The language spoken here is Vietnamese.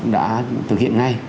đã thực hiện ngay